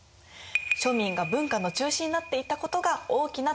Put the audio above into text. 庶民が文化の中心になっていったことが大きな特徴です。